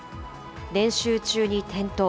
練習中に転倒。